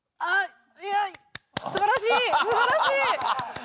はい。